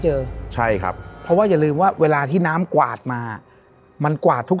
เจอใช่ครับเพราะว่าอย่าลืมว่าเวลาที่น้ำกวาดมามันกวาดทุก